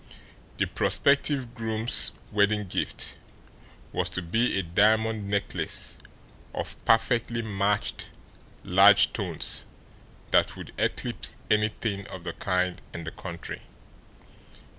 The prospective groom's wedding gift was to be a diamond necklace of perfectly matched, large stones that would eclipse anything of the kind in the country.